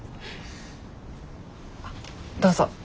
あっどうぞ。